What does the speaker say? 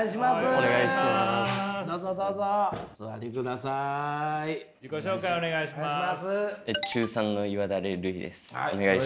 お願いします。